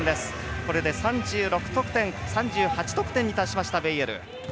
これで３８得点に達しましたベイエル。